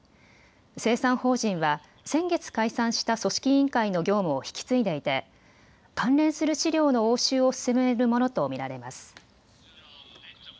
清算法人は先月解散した組織委員会の業務を引き継いでいて関連する資料の押収を進めるものと見られます。